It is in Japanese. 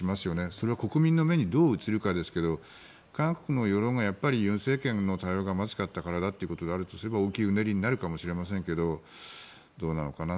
それが国民の目にどう映るかですけど韓国の世論がやっぱり尹政権の対応がまずかったからだということであれば大きいうねりになるかもしれませんがどうなのかな。